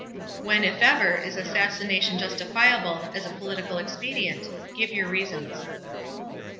When, if ever, is assassination justifiable as a political expedient? Give your reasons.